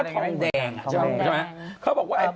ทองแดงเขาบอกว่า